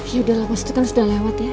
ya udah lah mas itu kan sudah lewat ya